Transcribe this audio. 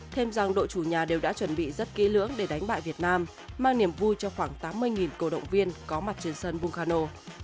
thêm rằng đội chủ nhà đều đã chuẩn bị rất kỹ lưỡng để đánh bại việt nam mang niềm vui cho khoảng tám mươi cổ động viên có mặt trên sân bukhano